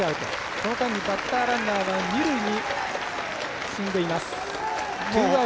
この間にバッターランナーは二塁に進んでいます。